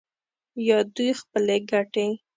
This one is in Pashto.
یا دوی خپلې ګټې